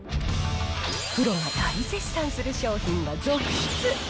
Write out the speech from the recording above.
プロが大絶賛する商品が続出。